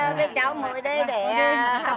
cô với cháu ngồi đây để học